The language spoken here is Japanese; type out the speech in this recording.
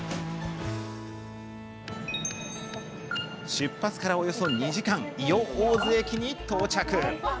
出発から、およそ２時間伊予大洲駅に到着。